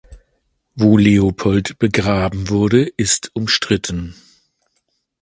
Wo Leopold begraben wurde ist umstritten.